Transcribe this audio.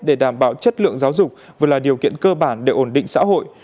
để đảm bảo chất lượng giáo dục vừa là điều kiện cơ bản để ổn định xã hội